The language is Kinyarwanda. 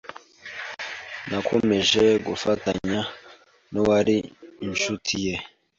nakomeje gufatanya nu wari inshuti ye